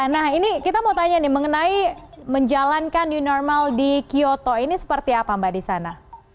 nah ini kita mau tanya nih mengenai menjalankan new normal di kyoto ini seperti apa mbak di sana